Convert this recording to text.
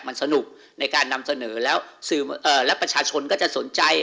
มันสนุกในการนำเสนอแล้วและประชาชนก็จะสนใจ